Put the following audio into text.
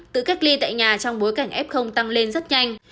tự cách ly tại nhà trong bối cảnh f tăng lên rất nhanh